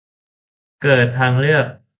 เกิดทางเลือก